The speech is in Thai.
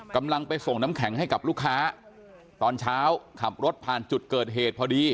กำลังไปส่งน้ำแข็งให้กับลูกค้าตอนเช้าขับรถผ่านจุดเกิดเหตุพอดี